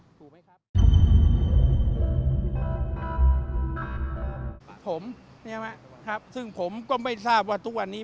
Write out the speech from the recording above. ผมนี่ไหมครับซึ่งผมก็ไม่ทราบว่าทุกวันนี้